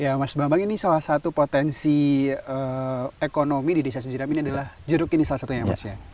ya mas bambang ini salah satu potensi ekonomi di desa sejiram ini adalah jeruk ini salah satunya ya mas ya